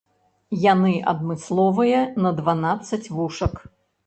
Яны адмысловыя, на дванаццаць вушак.